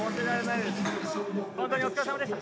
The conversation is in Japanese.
本当にお疲れ様でした。